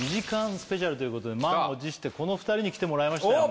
スペシャルということで満を持してこの２人に来てもらいましたいいね